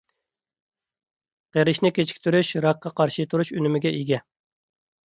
قېرىشنى كېچىكتۈرۈش، راكقا قارشى تۇرۇش ئۈنۈمىگە ئىگە.